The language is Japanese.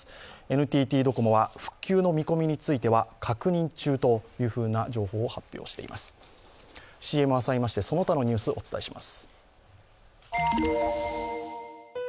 ＮＴＴドコモは復旧の見込みについては確認中というふうな情報を発表しています。